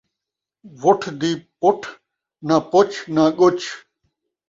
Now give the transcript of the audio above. وٹھ دی پٹھ ، ناں پچھ ناں ڳچھ